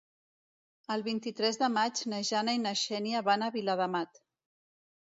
El vint-i-tres de maig na Jana i na Xènia van a Viladamat.